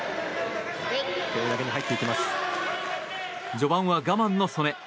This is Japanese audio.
序盤は我慢の素根。